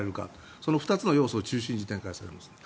その２つの要素を中心に展開されますね。